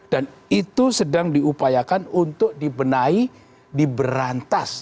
dan itu sedang diupayakan untuk dibenahi diberantas